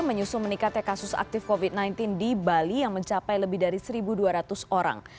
menyusul meningkatnya kasus aktif covid sembilan belas di bali yang mencapai lebih dari satu dua ratus orang